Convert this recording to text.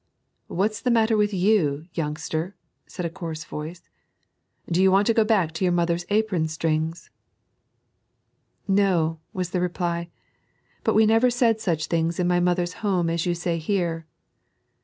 " What's the matter with you, youngster 1" said a coarse voice. "Do you want to go back to your mother's ^ron strings i " "No," was the reply, " but we never s^d such things in my mother's home as you say here."